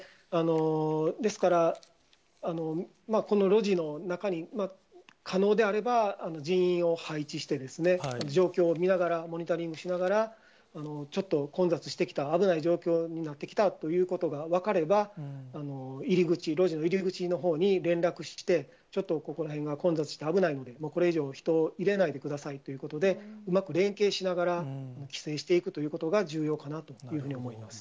ですから、この路地の中に、可能であれば、人員を配置して、状況を見ながら、モニタリングしながら、ちょっと混雑してきた、危ない状況になってきたということが分かれば、入り口、路地の入り口のほうに連絡して、ちょっとここら辺が混雑して危ないんで、もうこれ以上、人を入れないでくださいということで、うまく連携しながら規制していくということが重要かなというふうに思います。